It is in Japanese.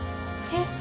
えっ？